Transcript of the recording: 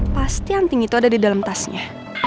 pasti anting itu ada di dalam tasnya